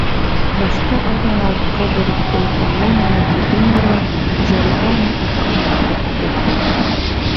Башты аҙ ғына артҡа бороп көлөп алайым ғына тигәйне лә, Зарифа уның арҡаһына төрттө: